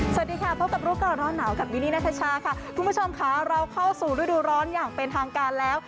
สวัสดีค่ะพบกับรู้ก่อนร้อนหนาวกับมินนี่นัทชาค่ะคุณผู้ชมค่ะเราเข้าสู่ฤดูร้อนอย่างเป็นทางการแล้ว